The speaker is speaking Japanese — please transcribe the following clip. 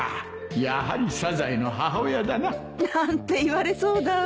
やはりサザエの母親だななんて言われそうだわ。